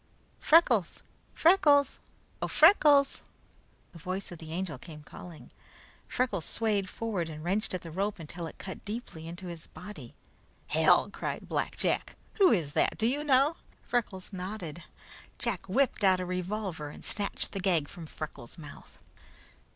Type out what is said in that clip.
"Freckles! Freckles! Oh, Freckles!" the voice of the Angel came calling. Freckles swayed forward and wrenched at the rope until it cut deeply into his body. "Hell!" cried Black Jack. "Who is that? Do you know?" Freckles nodded. Jack whipped out a revolver and snatched the gag from Freckles' mouth.